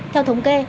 theo thống kê